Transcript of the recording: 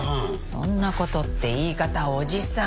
「そんな事」って言い方おじさん！